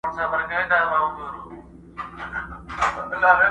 ورځ به تېره په مزلونو چي به شپه سوه،